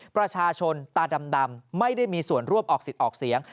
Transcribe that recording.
ประชาชนตาดำไม่ได้มีส่วนร่วมออกสิทธิ์ออกเสียง